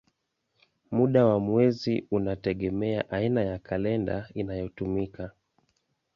Muda wa mwezi unategemea aina ya kalenda inayotumika.